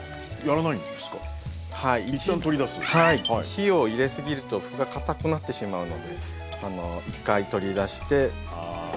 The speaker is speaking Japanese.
火を入れすぎると麩がかたくなってしまうので一回取り出してこれで置きます。